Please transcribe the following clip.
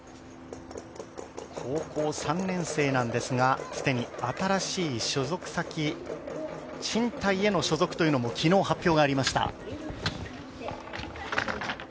高校３年生なんですが、既に新しい所属先ＣＨＩＮＴＡＩへの所属というのも昨日発表がありました。